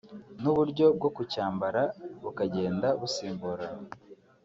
n’uburyo bwo kucyambara bukagenda busimburana